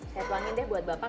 saya tuangin deh buat bapak